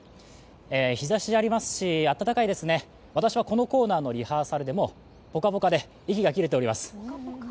日ざしがありますし、暖かいですね、私はこのコーナーのリハーサルでもうぽかぽかで息が切れております。